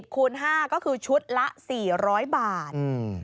คูณ๕ก็คือชุดละ๔๐๐บาท